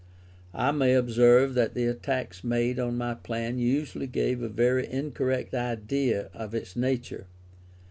I may observe that the attacks made on my plan usually gave a very incorrect idea of its nature.